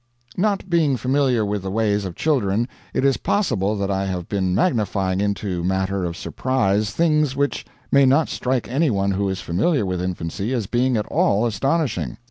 Not being familiar with the ways of children, it is possible that I have been magnifying into matter of surprise things which may not strike any one who is familiar with infancy as being at all astonishing.